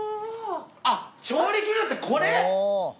あっ調理器具ってこれ？